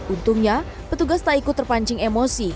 untungnya petugas tak ikut terpancing emosi